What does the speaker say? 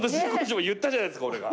言ったじゃないですか俺が。